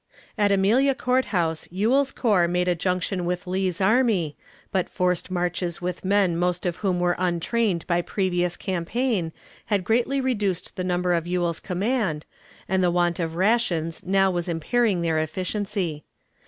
At Amelia Court House Ewell's corps made a junction with Lee's army, but forced marches with men most of whom were untrained by previous campaign had greatly reduced the number of Ewell's command, and the want of rations now was impairing their efficiency.